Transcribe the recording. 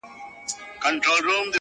سیاه پوسي ده!! قندهار نه دی!!